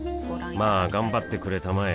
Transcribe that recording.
まあ頑張ってくれたまえ